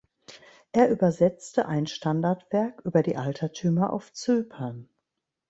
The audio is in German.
Er übersetzte ein Standardwerk über die Altertümer auf Zypern.